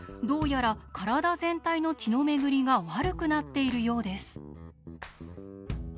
どうやら体全体の血の巡りが悪くなっているようです。